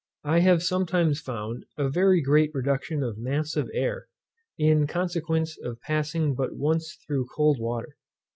I have sometimes found a very great reduction of a mass of air, in consequence of passing but once through cold water.